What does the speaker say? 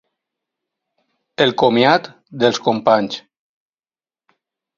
El comiat dels companys.